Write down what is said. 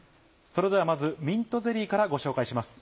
それではまずミントゼリーからご紹介します。